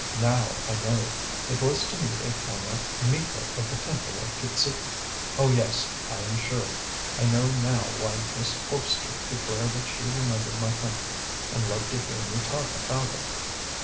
Now I know. It was to meet a former Miko of the Temple of Kitzuki. Oh, yes, I am sure. I now know why Miss Colpster declared that she remembered my country and loved to hear me talk about it.